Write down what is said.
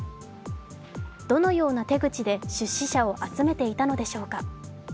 どのような手口で出資者を集めていたのでしょうか。